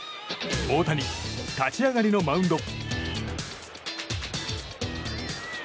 大谷、立ち上がりのマウンド。